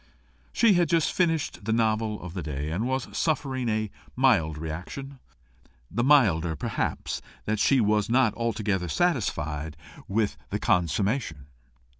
She had just finished the novel of the day, and was suffering a mild reaction the milder, perhaps, that she was not altogether satisfied with the consummation.